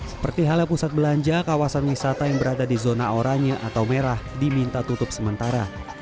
seperti halnya pusat belanja kawasan wisata yang berada di zona oranye atau merah diminta tutup sementara